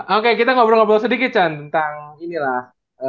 oke kita ngobrol sedikit tentang inilah